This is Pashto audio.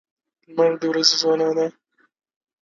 د زده کړې د بهیر څارنه اړینه ده.